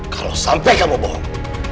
kalau sampai kamu bohong